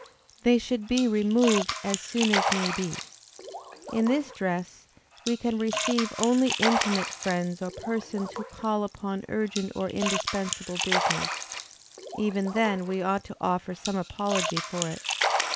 They should be removed as soon as may be. In this dress, we can receive only intimate friends or persons, who call upon urgent or indispensable business; even then we ought to offer some apology for it.